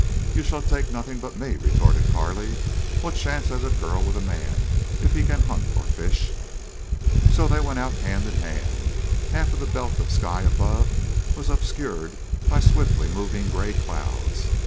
"You shall take nothing but me," retorted Carley. "What chance has a girl with a man, if he can hunt or fish?" So they went out hand in hand. Half of the belt of sky above was obscured by swiftly moving gray clouds.